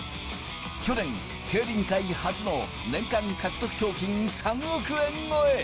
去年、競輪界初の年間獲得賞金３億円超え。